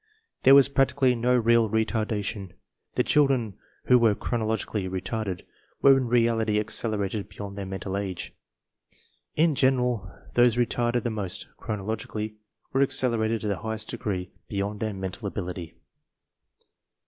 There was practically no real retardation. The children who were chronologically retarded were in reality accelerated beyond their mental age. In general, those retarded the most, chronologically, were accelerated to the highest degree beyond their mental ability.